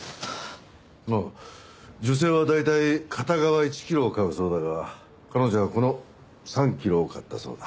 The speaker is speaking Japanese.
ああ女性は大体片側１キロを買うそうだが彼女はこの３キロを買ったそうだ。